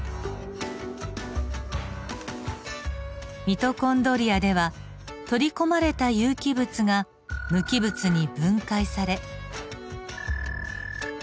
ミトコンドリアでは取り込まれた有機物が無機物に分解され。